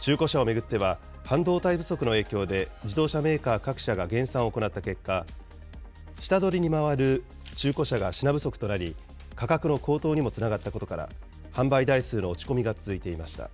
中古車を巡っては、半導体不足の影響で、自動車メーカー各社が減産を行った結果、下取りに回る中古車が品不足となり、価格の高騰にもつながったことから、販売台数の落ち込みが続いていました。